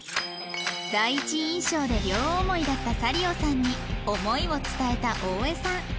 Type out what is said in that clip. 第一印象で両思いだったサリオさんに思いを伝えた大江さん